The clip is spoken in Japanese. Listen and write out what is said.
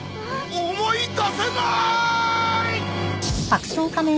思い出せなーい！